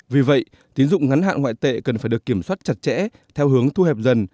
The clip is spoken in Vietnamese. vì vậy tín dụng ngắn hạn ngoại tệ cần phải được kiểm soát chặt chẽ theo hướng thu hẹp dần